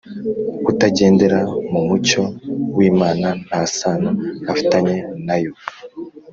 Utagendera mu mucyo w’Imana nta sano afitanye na yo